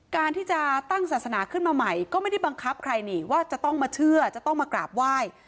การที่จะตั้งศาสนาขึ้นมาใหม่ก็ไม่ได้บังคับใครนี่ว่าจะต้องมาเชื่อจะต้องมากราบไหว้